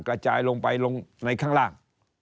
กระจายลงไปลงในข้างล่าง